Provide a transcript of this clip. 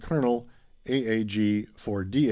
Colonel, A.A.G. for D.